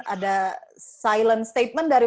ada silent statement dari